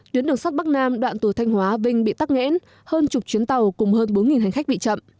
tuyến đường sắt bắc nam đoạn từ thanh hóa vinh bị tắc nghẽn hơn chục chuyến tàu cùng hơn bốn hành khách bị chậm